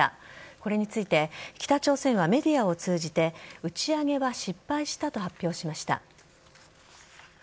これについて北朝鮮はメディアを通じて打ち上げは失敗したと発表しました。